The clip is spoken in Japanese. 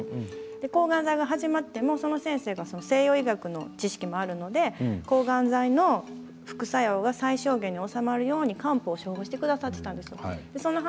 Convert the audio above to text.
抗がん剤の治療が始まってもその先生が医学の知識もあるので副作用が最小限に収まるように漢方を処方してくださっていたんです。